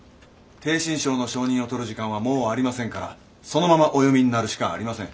逓信省の承認を取る時間はもうありませんからそのままお読みになるしかありません。